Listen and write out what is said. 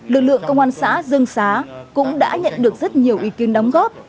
lực lượng công an xã dương xá cũng đã nhận được rất nhiều ý kiến đóng góp